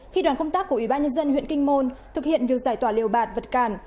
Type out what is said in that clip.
khi đoàn công tác của ủy ban nhân dân huyện kinh môn thực hiện việc giải tỏa liều bạt vật cản